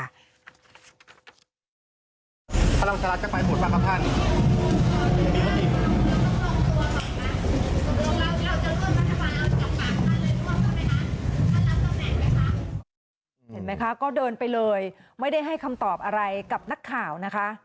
เห็นไหมคะก็เดินไปเลยไม่ได้ให้คำตอบอะไรกับนักข่าวนะคะ